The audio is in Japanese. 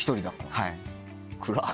はい。